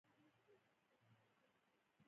افغانستان له د افغانستان ولايتونه ډک دی.